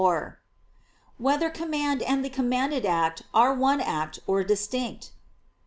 4] Whether Command and the Commanded Act Are One Act, or Distinct?